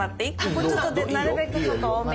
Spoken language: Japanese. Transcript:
ここちょっとなるべく多めに。